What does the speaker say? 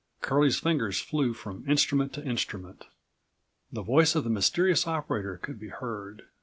Curlie's fingers flew from instrument to instrument. The voice of the mysterious operator could be heard.